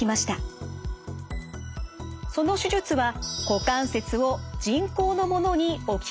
その手術は股関節を人工のものに置き換える方法でした。